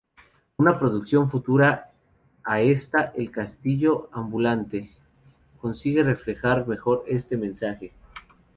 Una producción futura a esta, "El castillo ambulante" consigue reflejar mejor este mensaje.